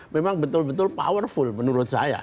memang betul betul powerful menurut saya